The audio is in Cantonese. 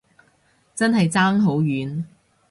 真係爭好遠